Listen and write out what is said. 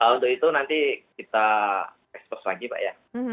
untuk itu nanti kita expose lagi pak ya